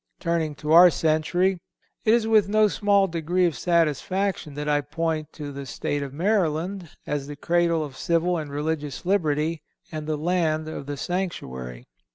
Turning to our own country, it is with no small degree of satisfaction that I point to the State of Maryland as the cradle of civil and religious liberty and the "land of the sanctuary."